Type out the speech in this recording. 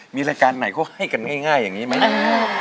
มีรายการไหนก็ให้กันง่ายอย่างนี้ไหม